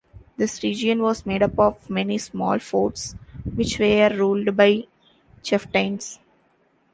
This region was made up of many small forts which were ruled by chieftains.